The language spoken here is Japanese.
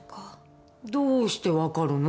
どうしてわかるの？